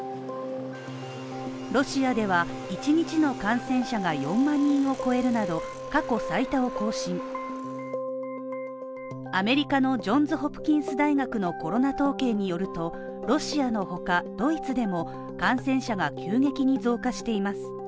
ロシアでは１日の感染者が４万人を超えるなど、過去最多を更新、アメリカのジョンズホプキンス大学のコロナ統計によると、ロシアのほか、ドイツでも感染者が急激に増加しています。